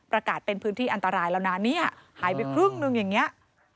ประกาศเป็นพื้นที่อันตรายแล้วนะเนี่ยหายไปครึ่งหนึ่งอย่างนี้